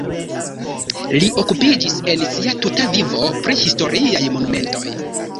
Li okupiĝis en sia tuta vivo pri historiaj monumentoj.